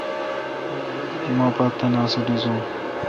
مہ پا تناس ڈیزون